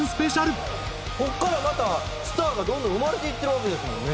ここからまたスターがどんどん生まれていってるわけですもんね。